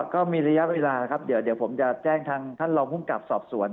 ก็มีระยะเวลาครับเดี๋ยวผมจะแจ้งทางท่านรองภูมิกับสอบสวน